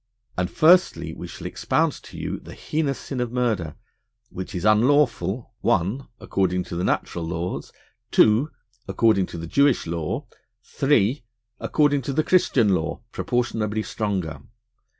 And firstly, we shall expound to you the heinous sin of murder, which is unlawful (1) according to the Natural Laws, (2) according to the Jewish Law, (3) according to the Christian Law, proportionably stronger.